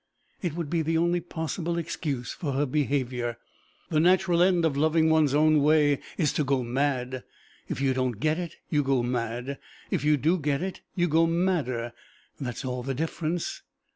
It would be the only possible excuse for her behaviour. The natural end of loving one's own way, is to go mad. If you don't get it, you go mad; if you do get it, you go madder that's all the difference!